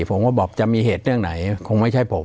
ผมก็บอกจะมีเหตุเรื่องไหนคงไม่ใช่ผม